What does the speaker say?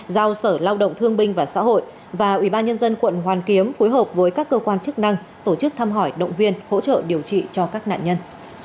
giao sở lao động thương binh và xã hội và ubnd quận hoàn kiếm phối hợp với các cơ quan chức năng tổ chức thăm hỏi động viên hỗ trợ điều trị cho các nạn nhân